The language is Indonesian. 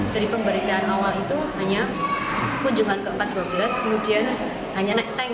dari pemberitaan awal itu hanya kunjungan ke empat ratus dua belas kemudian hanya naik tank